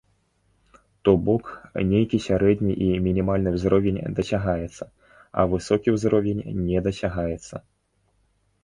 То бок, нейкі сярэдні і мінімальны ўзровень дасягаецца, а высокі ўзровень не дасягаецца.